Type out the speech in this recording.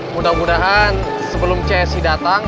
mudah mudahan sebelum csi datang